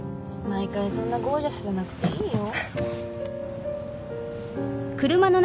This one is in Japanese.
毎回そんなゴージャスじゃなくていいよ。